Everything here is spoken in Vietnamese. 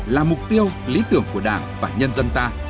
là mục tiêu lý tưởng của đảng và nhân dân ta